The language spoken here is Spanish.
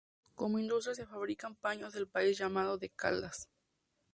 Como industria se fabricaban paños del país llamados de Caldas.